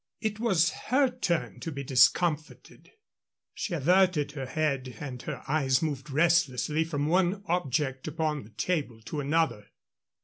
It was her turn to be discomfited. She averted her head, and her eyes moved restlessly from one object upon the table to another.